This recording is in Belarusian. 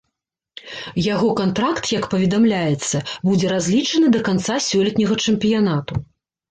Яго кантракт, як паведамляецца, будзе разлічаны да канца сёлетняга чэмпіянату.